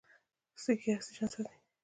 سږي اکسیجن ساتي.